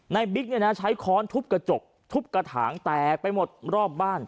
นายบิ๊กใช้ค้อนทุบกระจกทุบกระถางแตกไปหมดรอบบ้าน